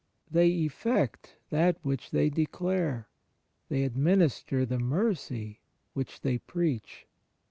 They effect that which they declare: they administer the mercy which they preach.